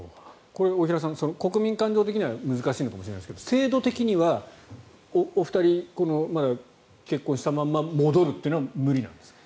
これ、大平さん国民感情的には難しいのかもしれないですが制度的にはお二人、まだ結婚したまんま戻るというのは無理なんですか？